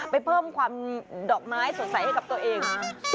เพิ่มความดอกไม้สดใสให้กับตัวเอง